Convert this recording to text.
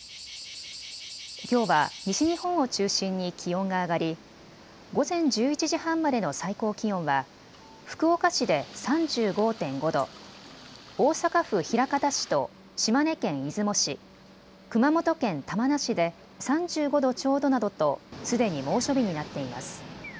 きょうは西日本を中心に気温が上がり、午前１１時半までの最高気温は福岡市で３５．５度、大阪府枚方市と島根県出雲市、熊本県玉名市で３５度ちょうどなどとすでに猛暑日になっています。